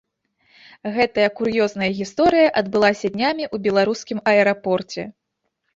Гэтая кур'ёзная гісторыя адбылася днямі ў беларускім аэрапорце.